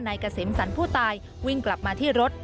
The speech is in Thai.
นายกะเสมสันผู้ตายวิ่งกลับมาที่รถ